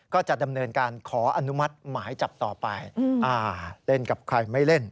ก็จะดำเนินการขออนุมัติหมายจับต่อไป